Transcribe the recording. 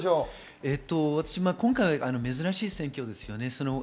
今回珍しい選挙ですよね。